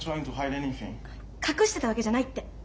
隠してたわけじゃないって。